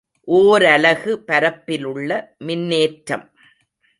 ஓரலகு பரப்பிலுள்ள மின்னேற்றம்.